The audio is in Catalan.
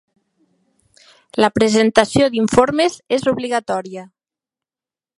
La presentació d'informes és obligatòria.